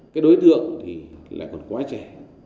cái đối tượng thì là một quái trẻ